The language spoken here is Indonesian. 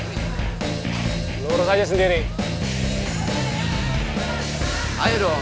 aku bilang cuma bercanda doang